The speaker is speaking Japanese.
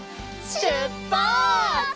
しゅっぱつ！